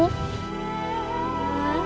aku udah ikhlasin ibu